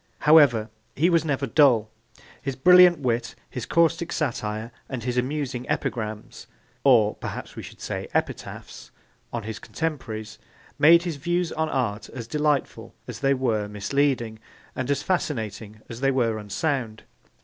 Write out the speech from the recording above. However, he was never dull. His brilliant wit, his caustic satire, and his amusing epigrams, or, perhaps, we should say epitaphs, on his contemporaries, made his views on art as delightful as they were misleading and as fascinating as they were unsound.